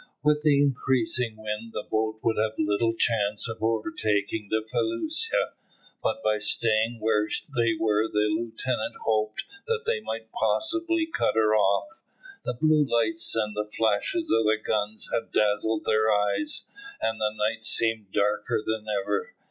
With the increasing wind the boat would have little chance of overtaking the felucca, but by staying where they were the lieutenant hoped that they might possibly cut her off. The blue lights and the flashes of the guns had dazzled their eyes, and the night seemed darker than ever.